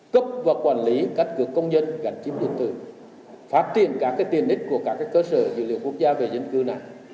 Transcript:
cấp và quản lý các cơ công dân gắn chiếm đường tư phát triển các tiền ít của các cơ sở dự liệu quốc gia về dân cư này